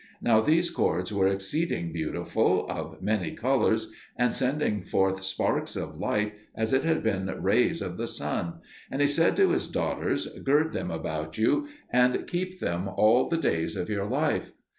Now these cords were exceeding beautiful, of many colours, and sending forth sparks of light as it had been rays of the sun; and he said to his daughters, "Gird them about you, and keep them all the days of your life."